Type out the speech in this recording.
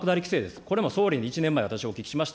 これも総理に１年前、私、お聞きしました。